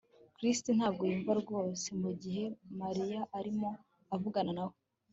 Chris ntabwo yumva rwose mugihe Mariya arimo avugana nawe